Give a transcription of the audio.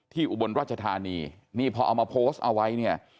อุบลราชธานีนี่พอเอามาโพสต์เอาไว้เนี่ย